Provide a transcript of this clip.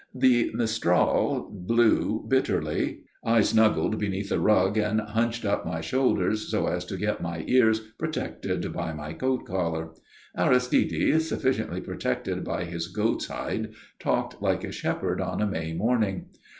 The mistral blew bitterly. I snuggled beneath the rug and hunched up my shoulders so as to get my ears protected by my coat collar. Aristide, sufficiently protected by his goat's hide, talked like a shepherd on a May morning.